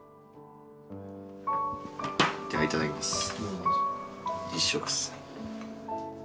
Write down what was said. ではいただきます。